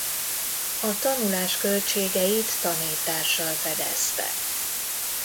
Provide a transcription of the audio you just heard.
A tanulás költségeit tanítással fedezte.